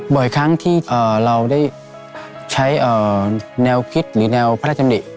บ่อยครั้งที่เราได้ใช้แนวคิดหรือแนวพระราชดำริ